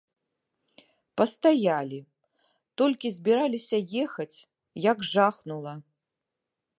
Пастаялі, толькі збіраліся ехаць, як жахнула!